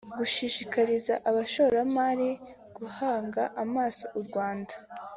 gushishikariza abashoramari guhanga amaso u Rwanda